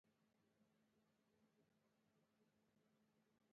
پــاچــاخــان د وفــات کـېـدو اته درېرشم تـلـيـن.